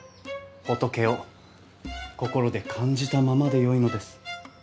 仏を心で感じたままでよいのです。